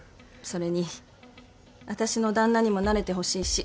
それに私の旦那にも慣れてほしいし。